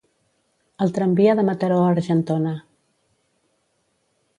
El tramvia de Mataró a Argentona.